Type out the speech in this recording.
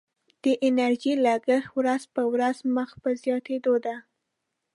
د انرژي لګښت ورځ په ورځ مخ په زیاتیدو دی.